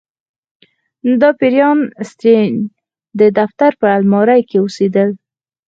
دا پیریان د اسټین د دفتر په المارۍ کې اوسیدل